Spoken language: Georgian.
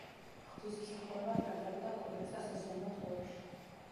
ღვთისმსახურება ტარდებოდა კვირას და საზეიმო დღეებში.